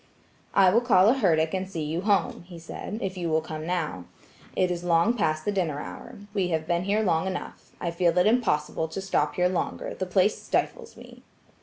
"I will call a herdic and see you home," he said, "if you will come now. It is long past the dinner hour. We have been here long enough. I feel it impossible to stop here longer, the place stifles me."